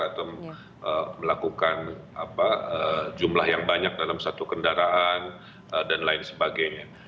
atau melakukan jumlah yang banyak dalam satu kendaraan dan lain sebagainya